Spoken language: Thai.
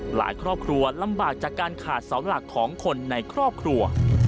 หลายครอบครัวลำบากจากการขาดเสาหลักของคนในครอบครัว